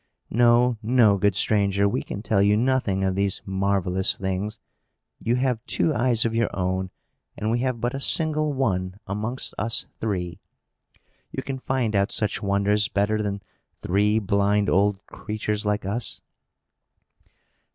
No, no, good stranger! we can tell you nothing of these marvellous things. You have two eyes of your own, and we have but a single one amongst us three. You can find out such wonders better than three blind old creatures, like us."